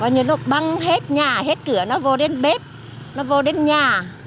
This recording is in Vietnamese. như nó băng hết nhà hết cửa nó vô đến bếp nó vô đến nhà